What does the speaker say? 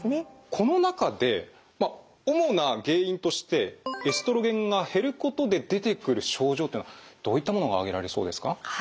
この中でまあ主な原因としてエストロゲンが減ることで出てくる症状っていうのはどういったものが挙げられそうですか？